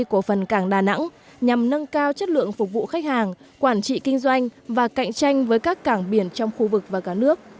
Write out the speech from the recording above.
của phần cảng đà nẵng nhằm nâng cao chất lượng phục vụ khách hàng quản trị kinh doanh và cạnh tranh với các cảng biển trong khu vực và cả nước